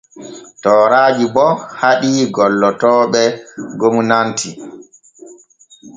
Tooraaji bo haɗii gollotooɓe gomnati.